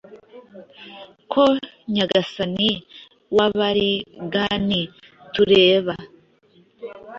Ko nyagasani wabaligani tureba